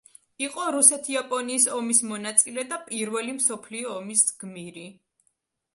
იყო რუსეთ-იაპონიის ომის მონაწილე და პირველი მსოფლიო ომის გმირი.